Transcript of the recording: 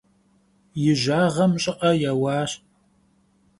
Yi jağem ş'ı'e yêuaş.